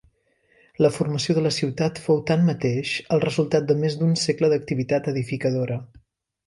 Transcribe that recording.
La formació de la ciutat fou tanmateix el resultat de més d'un segle d'activitat edificadora.